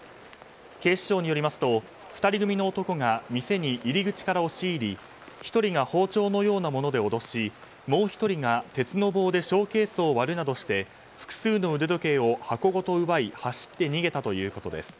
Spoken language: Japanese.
警視庁によりますと２人組の男が店に入り口から押し入り１人が包丁のようなもので脅しもう１人が、鉄の棒でショーケースを割るなどして複数の腕時計を箱ごと奪い走って逃げたということです。